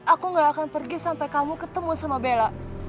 aku gak akan pergi sampai kamu ketemu sama bella